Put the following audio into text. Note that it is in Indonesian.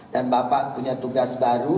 dan bapak punya tugas baru